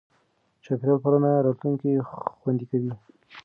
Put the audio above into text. چاپېریال پالنه راتلونکی خوندي کوي.